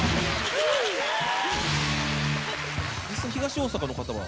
実際東大阪の方は。